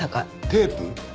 テープ？